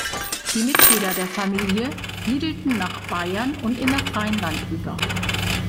Die Mitglieder der Familie siedelten nach Bayern und in das Rheinland über.